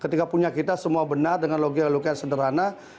ketika punya kita semua benar dengan logika logika yang sederhana